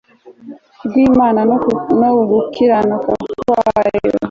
rw'imana no gukiranuka kwayo